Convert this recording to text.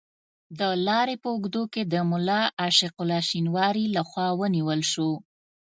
د لارې په اوږدو کې د ملا عاشق الله شینواري له خوا ونیول شو.